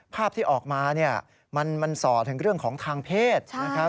ภาพที่ออกมาเนี่ยมันส่อถึงเรื่องของทางเพศนะครับ